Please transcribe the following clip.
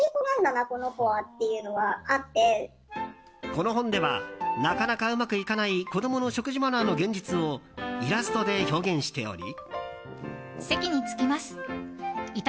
この本ではなかなかうまくいかない子供の食事マナーの現実をイラストで表現しており。